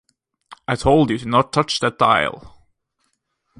I told you not to touch that dial.